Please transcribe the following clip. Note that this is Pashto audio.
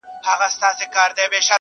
په ویالو کي یې د وینو سېل بهیږي -